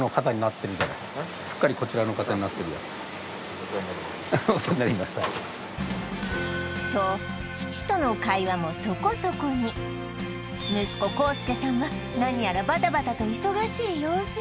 すっかりこちらの方になってるよと父との息子・光佑さんは何やらバタバタと忙しい様子